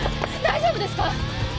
大丈夫ですか？